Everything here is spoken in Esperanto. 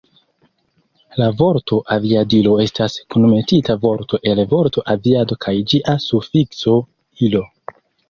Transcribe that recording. La vorto Aviadilo estas kunmetita vorto el vorto aviado kaj ĝia sufikso, -ilo.